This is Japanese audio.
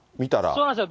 そうなんです。